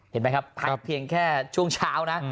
เห็นไหมครับพักเพียงแค่ช่วงเช้านะ